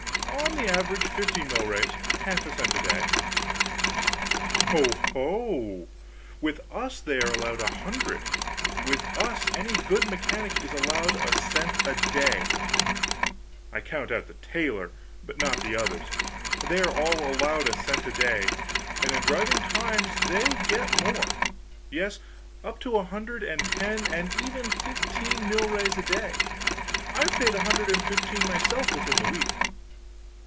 "On the average, fifty milrays; half a cent a day." "Ho ho! With us they are allowed a hundred! With us any good mechanic is allowed a cent a day! I count out the tailor, but not the others they are all allowed a cent a day, and in driving times they get more yes, up to a hundred and ten and even fifteen milrays a day. I've paid a hundred and fifteen myself, within the week.